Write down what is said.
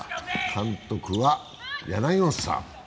監督は柳本さん。